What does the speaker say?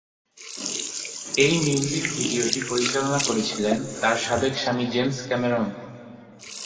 এই মিউজিক ভিডিওটি পরিচালনা করেছিলেন তার সাবেক স্বামী জেমস ক্যামেরন।